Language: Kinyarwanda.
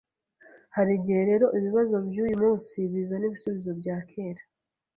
hari igihe rero ibibazo by’uyu munsi bizana ibisubizo bya kera